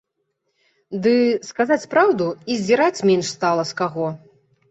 Ды, сказаць праўду, і здзіраць менш стала з каго.